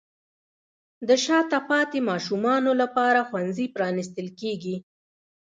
د شاته پاتې ماشومانو لپاره ښوونځي پرانیستل کیږي.